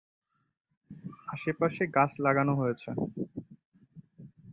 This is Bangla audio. আশেপাশে গাছ লাগান হয়েছে।